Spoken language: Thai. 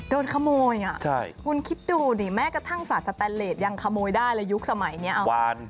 โดนขโมยนี่คุณคิดดูนี่แม่กระทั่งฟรัสสแตนเลสยังขโมยได้เลยยุคสมัยนี้วาน